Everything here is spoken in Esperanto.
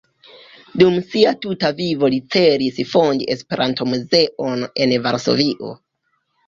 Dum sia tuta vivo li celis fondi Esperanto-muzeon en Varsovio.